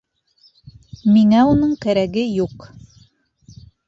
Миңә уның кәрәге юҡ.